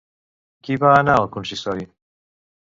Qui va anar al Consistori?